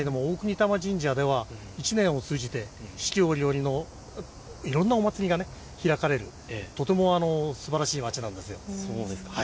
現在も大國魂神社では１年を通じて四季折々のいろんなお祭りが開かれるとてもすばらしい町です。